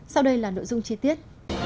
sau đây là nội dung chi tiết